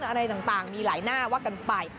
อะไรต่างมีหลายหน้าว่ากันไป